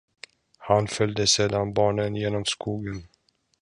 Han följde sedan barnen genom skogen.